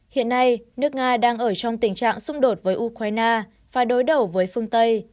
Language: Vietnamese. hiện nay nước nga đang ở trong tình trạng xung đột với ukraine và đối đầu với phương tây